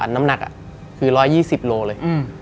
น้ำหนักคือ๑๒๐โลเลย